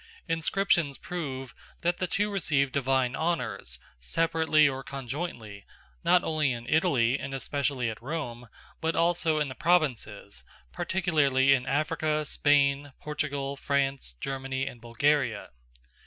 Inscriptions prove that the two received divine honours, separately or conjointly, not only in Italy, and especially at Rome, but also in the provinces, particularly in Africa, Spain, Portugal, France, Germany, and Bulgaria.